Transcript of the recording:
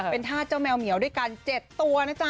เป็นธาตุเจ้าแมวเหมียวด้วยกัน๗ตัวนะจ๊ะ